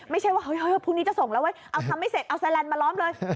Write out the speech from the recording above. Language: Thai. ไม่ใช่ว่าเฮ้ยพรุ่งนี้จะส่งแล้วเว้ยเอาทำไม่เสร็จเอาแลนดมาล้อมเลย